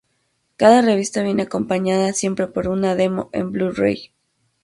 Cada revista viene acompañada siempre por una demo en Blu-ray.